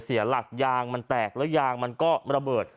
เสียหลักยางมันแตกแล้วยางมันก็ระเบิด